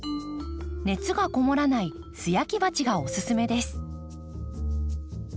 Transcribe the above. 熱がこもらない素焼き鉢がおすすめです。